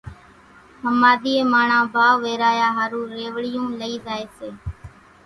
ۿماۮِيئين ماڻۿان ڀائو ويرايا ۿارُو ريوڙيون لئي زائي سي۔